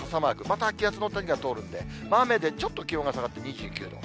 また気圧の谷が通るんで、雨でちょっと気温が下がって２９度。